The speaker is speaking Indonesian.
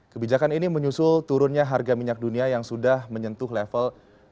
kebijakan ini menyusul turunnya harga minyak dunia yang sudah menyentuh level